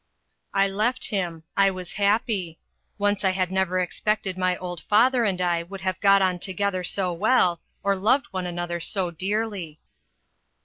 I left him. I was happy. Once I had never expected my old father and I would have got on together so well, or loved one another so dearly.